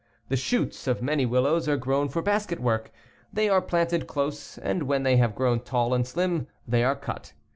The shoots of many willows are grown for basket work. They are planted close and when they have grown tall and slim they are cut.